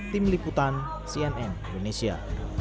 tim liputan cnn indonesia